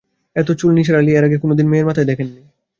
এত চুল নিসার আলি এর আগে কোনো মেয়ের মাথায় দেখেন নি।